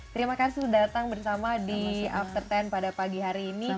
terima kasih sudah datang bersama di after sepuluh pada pagi hari ini